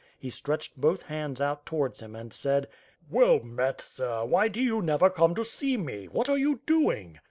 He stretched both hands out towards him and said: "Well met, sir, why do you never come to aee me? What are you doing?''